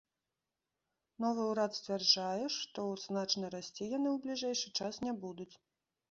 Новы урад сцвярджае, што значна расці яны ў бліжэйшы час не будуць.